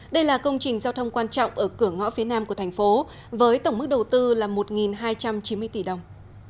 đây là công trình giao thông quan trọng ở cửa ngõ phía nam của thành phố với tổng mức đầu tư là một hai trăm chín mươi tỷ đồng